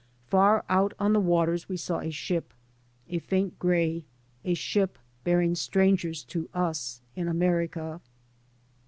Far out on the waters we sawa ship, a faint grey; a ship bearing strangers to us in' America.